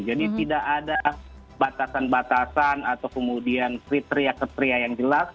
jadi tidak ada batasan batasan atau kemudian kriteria kriteria yang jelas